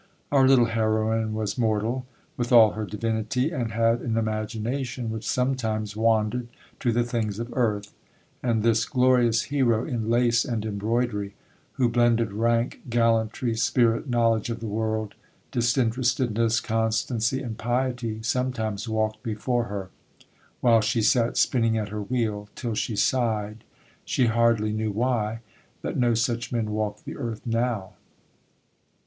Our little heroine was mortal, with all her divinity, and had an imagination which sometimes wandered to the things of earth; and this glorious hero in lace and embroidery, who blended rank, gallantry, spirit, knowledge of the world, disinterestedness, constancy, and piety, sometimes walked before her, while she sat spinning at her wheel, till she sighed, she hardly knew why, that no such men walked the earth now.